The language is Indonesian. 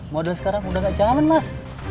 mau ada sekarang udah gak jalan mas